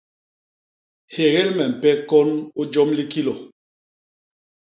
Hégél me mpék kôn u jôm li kilô.